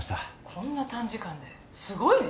こんな短時間ですごいね。